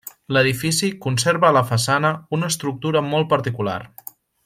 L'edifici conserva a la façana una estructura molt particular.